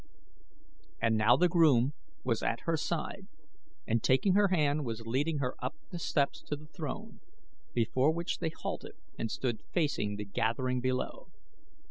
And now the groom was at her side and taking her hand was leading her up the steps to the throne, before which they halted and stood facing the gathering below.